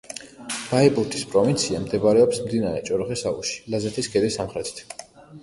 ბაიბურთის პროვინცია მდებარეობს მდინარე ჭოროხის აუზში, ლაზეთის ქედის სამხრეთით.